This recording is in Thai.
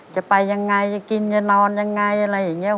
จะไปยังไงจะกินจะนอนยังไงอะไรอย่างนี้